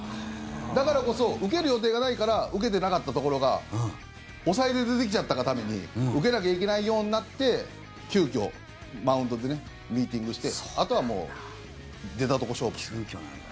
だからこそ受ける予定がないから受けてなかったところが抑えで出てきちゃったがために受けなきゃいけないようになって急きょマウンドでミーティングして急きょなんだ。